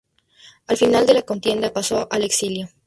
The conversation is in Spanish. Al final de la contienda pasó al exilio.